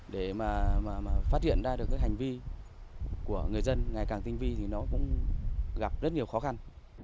để mà phát hiện ra được cái hành vi của người dân ngày càng tinh vi thì nó cũng gặp rất nhiều khó khăn